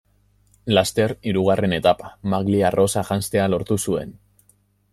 Laster, hirugarren etapa, maglia arrosa janztea lortu zuen.